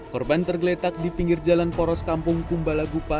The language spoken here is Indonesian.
korban tergeletak di pinggir jalan poros kampung kumbalagupa